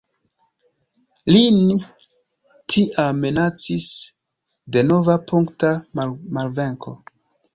Lin tiam minacis denova punkta malvenko.